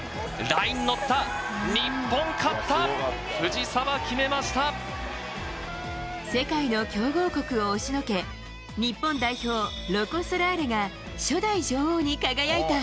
ラインに乗った、世界の強豪国を押しのけ、日本代表、ロコ・ソラーレが初代女王に輝いた。